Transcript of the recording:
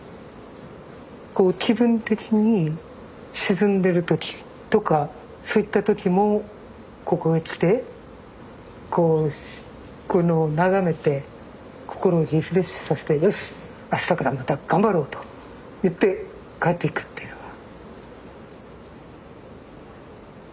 気分的に沈んでる時とかそういった時もここへ来て眺めて心をリフレッシュさせてよしあしたからまた頑張ろうと言って帰っていくっていうのが。